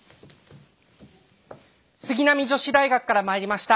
スギナミ女子大学からまいりました